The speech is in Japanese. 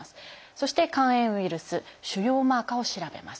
そして肝炎ウイルス腫瘍マーカーを調べます。